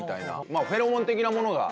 まあ、フェロモン的なものが。